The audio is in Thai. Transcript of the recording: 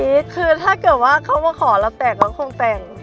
คือถ้าเกิดว่าเขามาขอเราแต่งเราคงแต่ง